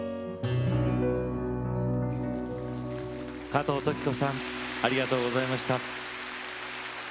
加藤登紀子さんありがとうございました。